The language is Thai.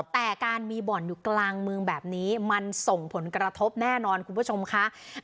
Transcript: แต่การมีบ่อนอยู่กลางเมืองแบบนี้มันส่งผลกระทบแน่นอนคุณผู้ชมค่ะ